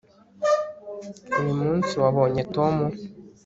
uyu munsi wabonye tom